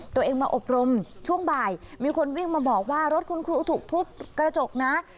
ตัวเองมาอบรมช่วงบ่ายมีคนวิ่งมาบอกว่ารถคุณครูถูกทุบกระจกนะ